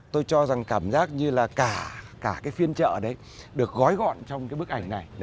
tôi cho rằng cảm giác như là cả cái phiên trợ đấy được gói gọn trong cái bức ảnh này